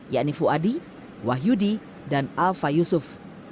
yakni fuadi wahyudi dan alfa yusuf